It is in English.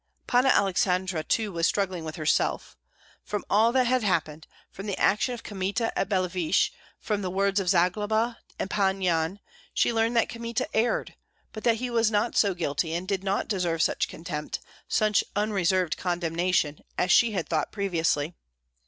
Panna Aleksandra too was struggling with herself. From all that had happened, from the action of Kmita at Billeviche, from the words of Zagloba and Pan Yan, she learned that Kmita erred, but that he was not so guilty and did not deserve such contempt, such unreserved condemnation, as she had thought previously.